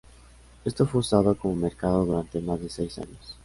Esto fue usado como mercado durante más de seis años.